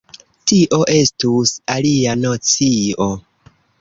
Tio estus alia nocio.